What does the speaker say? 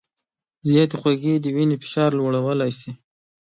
زیاتې خوږې د وینې فشار لوړولی شي.